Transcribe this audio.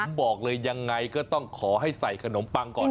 ผมบอกเลยยังไงก็ต้องขอให้ใส่ขนมปังก่อน